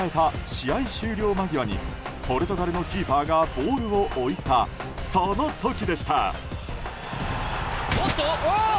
試合終了間際にポルトガルのキーパーがボールを置いたその時でした。